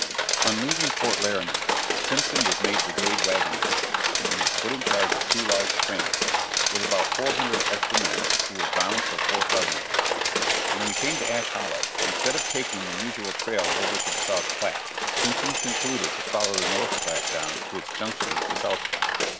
On leaving Fort Laramie, Simpson was made brigade wagon master, and was put in charge of two large trains, with about four hundred extra men, who were bound for Fort Leavenworth. When we came to Ash Hollow, instead of taking the usual trail over to the South Platte, Simpson concluded to follow the North Platte down to its junction with the South Platte.